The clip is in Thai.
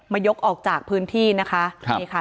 มายกออกจากพื้นที่นะคะ